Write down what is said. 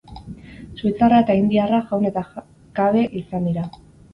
Suitzarra eta indiarra jaun eta kabe izan dira.